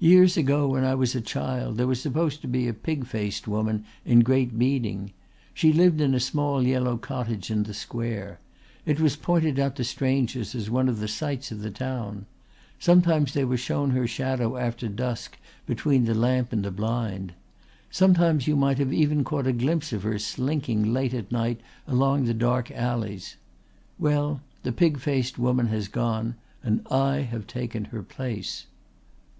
Years ago, when I was a child, there was supposed to be a pig faced woman in Great Beeding. She lived in a small yellow cottage in the Square. It was pointed out to strangers as one of the sights of the town. Sometimes they were shown her shadow after dusk between the lamp and the blind. Sometimes you might have even caught a glimpse of her slinking late at night along the dark alleys. Well, the pig faced woman has gone and I have taken her place."